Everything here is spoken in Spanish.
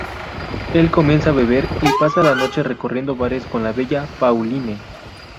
Él comienza a beber y pasa la noche recorriendo bares con la bella Pauline.